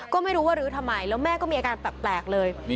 ก็ไม่รู้ว่ารื้อทำไมแล้วแม่ก็มีอาการแปลกเลย